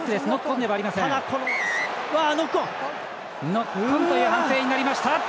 ノックオンという判定になりました。